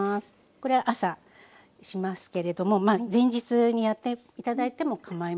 これは朝しますけれども前日にやって頂いてもかまいません。